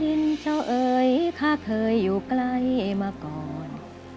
ดินเจ้าเอยข้าเคยอยู่กลายมาก่อน